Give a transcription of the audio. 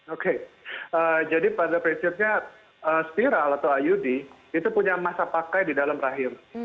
oke jadi pada prinsipnya spiral atau iud itu punya masa pakai di dalam rahim